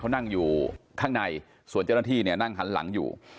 เขานั่งอยู่ข้างในส่วนเจ้าหน้าที่เนี่ยนั่งหันหลังอยู่